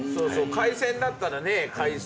海鮮だったらね海鮮。